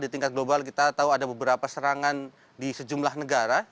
di tingkat global kita tahu ada beberapa serangan di sejumlah negara